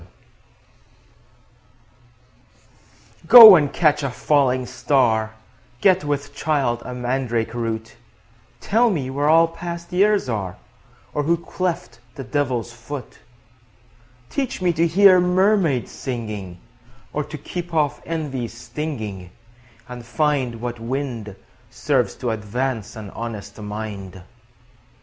Song GO and catch a falling star, Get with child a mandrake root, Tell me where all past years are, Or who cleft the Devil's foot; Teach me to hear mermaids singing, 5 Or to keep off envy's stinging, And find What wind Serves to advance an honest mind.